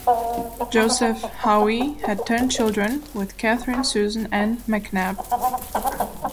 Joseph Howe had ten children with Catherine Susan Ann McNab.